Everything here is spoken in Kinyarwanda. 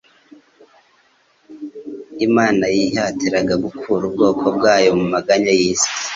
Imana yihatiraga gukura ubwoko bwayo mu maganya y'isi